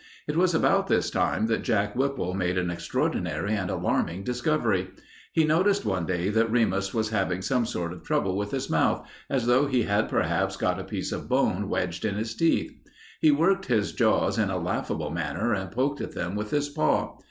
It was about this time that Jack Whipple made an extraordinary and alarming discovery. He noticed one day that Remus was having some sort of trouble with his mouth, as though he had perhaps got a piece of bone wedged in his teeth. He worked his jaws in a laughable manner and poked at them with his paw.